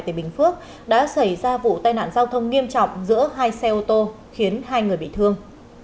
tỉnh bình phước đã xảy ra vụ tai nạn giao thông nghiêm trọng giữa hai xe ô tô khiến hai người bị thương